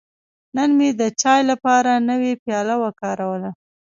نن مې د چای لپاره نوی پیاله وکاروله.